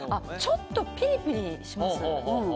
ちょっとピリピリします？